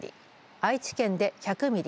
愛知県で１００ミリ